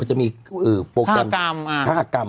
มันจะมีโปรแกรมการคาหกรรม